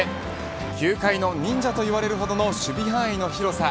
球界の忍者といわれるほどの守備範囲の広さ。